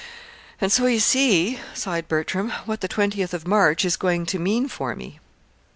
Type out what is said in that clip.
"And so you see," sighed Bertram, "what the twentieth of March is going to mean for me."